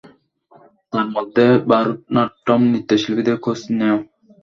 তার মধ্যে ভারতনাট্যম নৃত্যশিল্পীদের খোঁজ নেও।